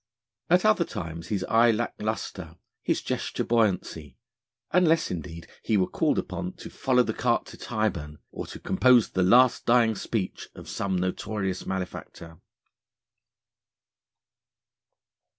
At other times his eye lacked lustre, his gesture buoyancy, unless indeed he were called upon to follow the cart to Tyburn, or to compose the Last Dying Speech of some notorious malefactor.